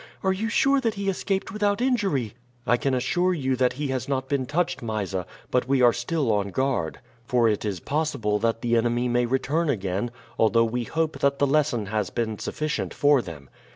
"Are you sure that he escaped without injury?" "I can assure you that he has not been touched, Mysa; but we are still on guard, for it is possible that the enemy may return again, although we hope that the lesson has been sufficient for them."